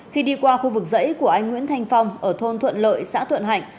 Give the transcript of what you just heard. khi đi qua khu vực dãy của anh nguyễn thanh phong ở thôn thuận lợi xã thuận hạnh